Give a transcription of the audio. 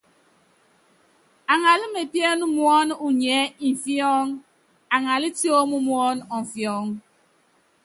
Aŋalá mepién muɔn uniɛ ni imfiɔ́ŋ, aŋalá tióm muɔ́n ɔmfiɔŋ.